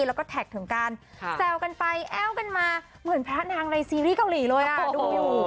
แล้วก็แท็กถึงการแซวกันไปแอ้วกันมาเหมือนพระนางในซีรีส์เกาหลีเลยอ่ะดูอยู่